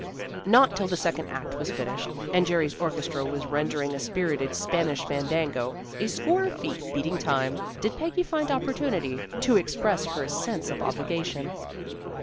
Not till the second act was finished, and Jerry's orchestra was rendering a spirited Spanish fandango, a score of feet beating time, did Peggy find opportunity to express her sense of obligation.